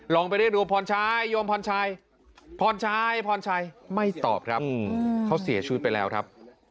ไปเรียกดูพรชัยโยมพรชัยพรชัยพรชัยไม่ตอบครับเขาเสียชีวิตไปแล้วครับ